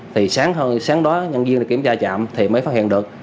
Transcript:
thì sáng đó nhân viên kiểm tra trạm thì mới phát hiện được